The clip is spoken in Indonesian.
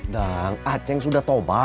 dang ah ceng sudah tobat